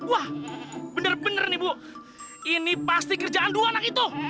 wah benar benar nih bu ini pasti kerjaan dua anak itu